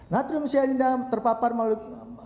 natrium cyanida terpapar melalui